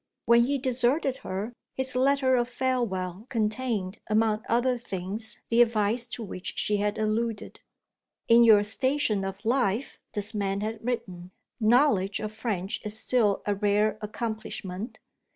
When he deserted her, his letter of farewell contained, among other things the advice to which she had alluded. "In your station of life," this man had written, "knowledge of French is still a rare accomplishment.